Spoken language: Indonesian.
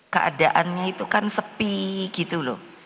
keadaannya itu kan sepi gitu loh